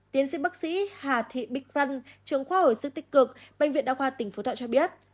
tiến sĩ bác sĩ hà thị bích vân trường khoa hồi sức tích cực bệnh viện đa khoa tỉnh phú thọ cho biết